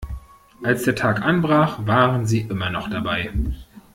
Als der Tag anbrach waren sie immer noch dabei.